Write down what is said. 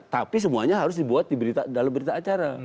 tapi semuanya harus dibuat dalam berita acara